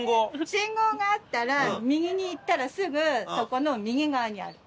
信号があったら右に行ったらすぐそこの右側にある。